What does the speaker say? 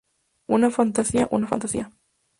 ¡ una fantasía! ¡ una fantasía!...